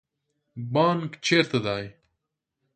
بانک چیرته دی؟